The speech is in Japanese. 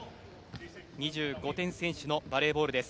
２５点先取のバレーボールです。